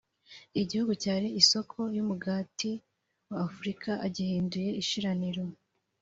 igihugu cyari isoko y’umugati wa Afurika agihindura ishiraniro